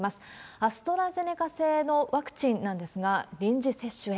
アストラゼネカ製のワクチンなんですが、臨時接種へ。